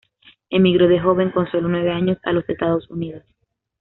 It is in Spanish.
Emigró de joven, con sólo nueve años, a los Estados Unidos.